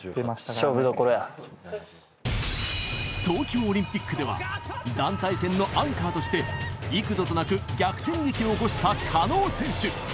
勝負どころや東京オリンピックでは団体戦のアンカーとして幾度となく逆転劇を起こした加納選手